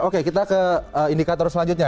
oke kita ke indikator selanjutnya